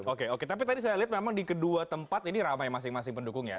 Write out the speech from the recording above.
oke oke tapi tadi saya lihat memang di kedua tempat ini ramai masing masing pendukung ya